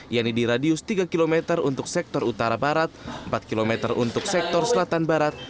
yaitu di radius tiga km untuk sektor utara barat empat km untuk sektor selatan barat